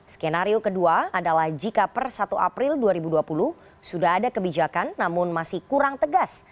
skenario kedua adalah jika per satu april dua ribu dua puluh sudah ada kebijakan namun masih kurang tegas